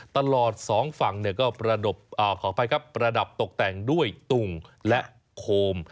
ตลอด๒ฝั่งก็ประดับตกแต่งด้วยตุ่งและโคม